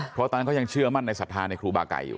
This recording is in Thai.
เพราะตอนนั้นเขายังเชื่อมั่นในศรัทธาในครูบาไก่อยู่